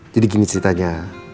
jadi gini ceritanya